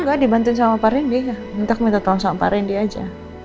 enggak dibantuin sama pak rindy ya minta tolong sama pak rindy aja